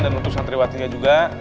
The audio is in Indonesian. dan untuk santriwati nya juga